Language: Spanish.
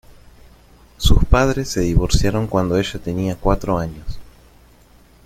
Sus padres se divorciaron cuando ella tenía cuatro años.